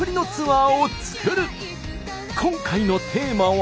今回のテーマは。